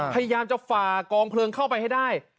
พยายามจะฝ่ากองเพลิงเข้าไปให้ได้